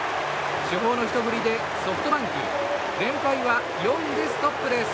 主砲の一振りでソフトバンク連敗は４でストップです。